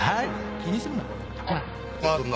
気にするな。